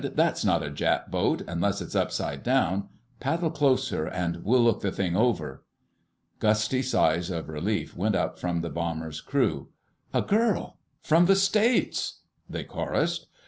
"That's not a Jap boat, unless it's upside down. Paddle closer and we'll look the thing over." Gusty sighs of relief went up from the bomber's crew. "A girl! From the States!" they chorused.